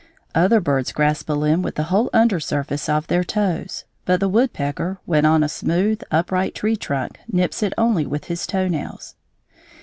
Other birds grasp a limb with the whole under surface of their toes, but the woodpecker when on a smooth, upright tree trunk nips it only with his toenails.